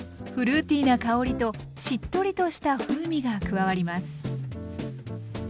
フルーティーな香りとしっとりとした風味が加わります。